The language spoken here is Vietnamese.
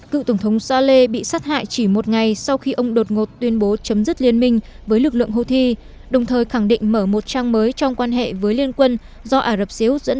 cựu tổng thống saleh bị sát hại chỉ một ngày sau khi ông đột ngột tuyên bố chấm dứt liên minh với lực lượng houthi đồng thời khẳng định mở một trang mới trong các trường hợp